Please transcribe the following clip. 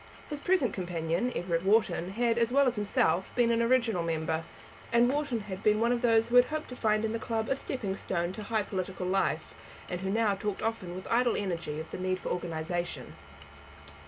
His present companion, Everett Wharton, had, as well as himself, been an original member; and Wharton had been one of those who had hoped to find in the club a stepping stone to high political life, and who now talked often with idle energy of the need of organization.